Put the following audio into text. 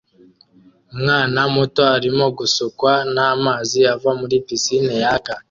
Umwana muto arimo gusukwa namazi ava muri pisine yaka